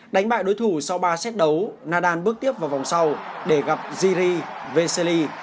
đánh bại đối thủ sau ba xét đấu nadal bước tiếp vào vòng sau để gặp giri vesely